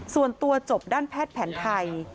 ส่วนตัวจบด้านแพทย์แผนไทย